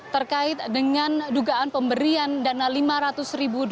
terkait dengan dugaan pemberian dana rp lima ratus